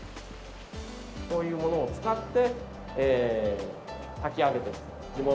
こういうものを使って炊き上げていくと。